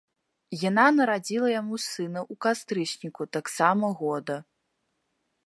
Яна нарадзіла яму сына ў кастрычніку таксама года.